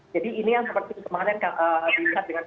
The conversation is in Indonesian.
jadi ini yang seperti kemarin